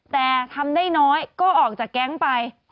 แต่ทำได้น้อยก็ออกจากแก๊งไป